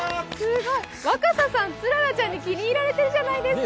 若狭さん、ツララちゃんに気に入られてるじゃないですか。